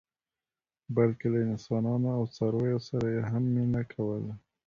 بلکې له انسانانو او څارویو سره یې هم مینه کوله.